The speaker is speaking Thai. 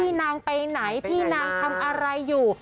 นางไปไหนพี่นางทำอะไรอยู่